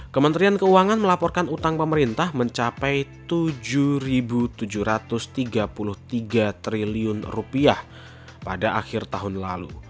kementerian keuangan melaporkan utang pemerintah mencapai rp tujuh tujuh ratus tiga puluh tiga triliun rupiah pada akhir tahun lalu